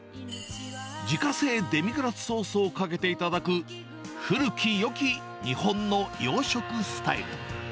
自家製デミグラスソースをかけて頂く古きよき日本の洋食スタイル。